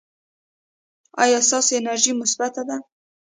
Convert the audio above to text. ایا ستاسو انرژي مثبت ده؟